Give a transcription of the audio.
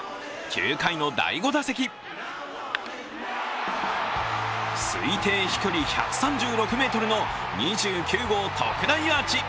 ９回の第５打席推定飛距離１３６ｍの２９号特大アーチ。